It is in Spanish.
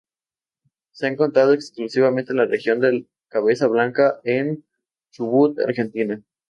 Se ha encontrado exclusivamente en la región de Cabeza Blanca, en Chubut, Argentina.